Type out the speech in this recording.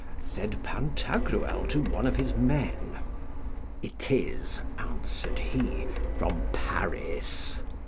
said Pantagruel to one of his men. It is, answered he, from Paris.